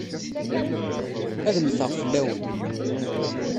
Ad mmteɣ fell-awen.